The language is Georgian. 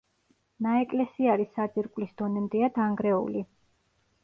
ნაეკლესიარი საძირკვლის დონემდეა დანგრეული.